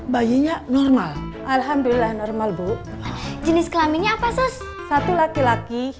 bayinya normal alhamdulillah normal bu jenis kelaminnya apa sos satu laki laki